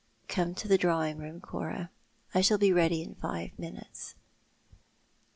31 J " Come to the drawing room, Cora. I shall be ready in five minutes."